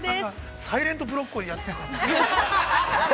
◆サイレントブロッコリーやってる。